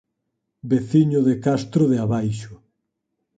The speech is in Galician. Veciño de Castro de Abaixo.